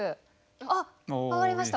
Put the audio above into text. あっ上がりました。